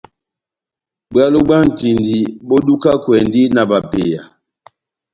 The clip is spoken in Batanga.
Bwalo bwa ntindi bó dukakwɛndi na bapeya.